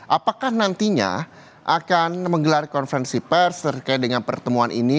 apakah nantinya akan menggelar konferensi pers terkait dengan pertemuan ini